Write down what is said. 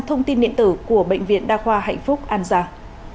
thông tin điện tử của bệnh viện đa khoa hạnh phúc an giang